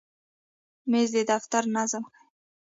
مېز د دفتر نظم ښیي.